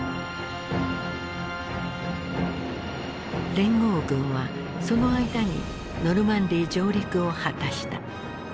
連合軍はその間にノルマンディー上陸を果たした。